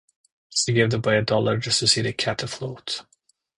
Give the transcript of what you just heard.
She gave the boy a dollar just to set the cat afloat.